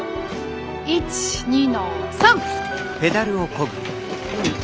１２の３！